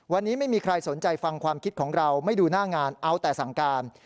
วันนี้ไม่มีใครสนใจฟังความคิดของเราไม่ดูหน้างานเอาแต่สั่งการ